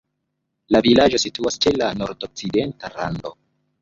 La vilaĝo situas ĉe la nordokcidenta rando.